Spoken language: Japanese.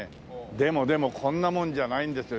でもでもこんなもんじゃないんですよ。